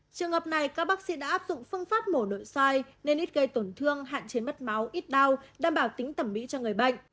trường hợp này các bác sĩ đã áp dụng phương pháp mổ nội soi nên ít gây tổn thương hạn chế mất máu ít đau đảm bảo tính thẩm mỹ cho người bệnh